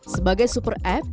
sebagai super app